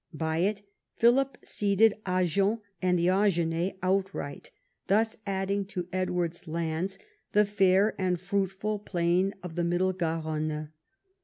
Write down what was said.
By it Philip ceded Agen and the Agenais outright, thus adding to Edward's lands the fair and fruitful plain of the middle Garonne.